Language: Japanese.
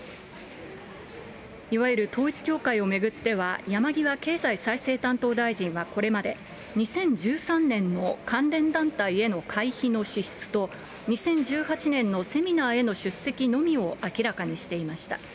いわゆる統一教会を巡っては、山際経済再生担当大臣はこれまで、２０１３年の関連団体への会費の支出と、２０１８年のセミナーへの出席のみを明らかにしていました。